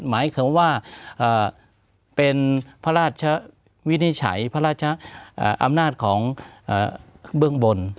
หมายความว่าเป็นพระราชวินิจฉัยพระราชอำนาจของเบื้องบน